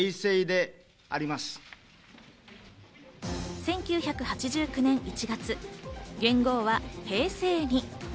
１９８９年１月、元号は平成に。